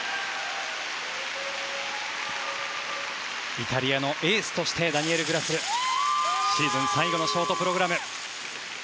イタリアのエースとしてダニエル・グラスルシーズン最後のショートプログラム。